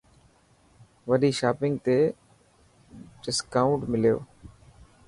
وڏي شاپنگ تي دسڪائونٽ مليو.